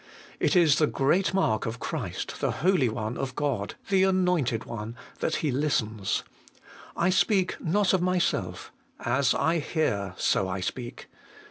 It is the great mark of Christ, the Holy One of God, the Anointed One, that He listens :' I speak not of myself ; as I hear, so I speak.'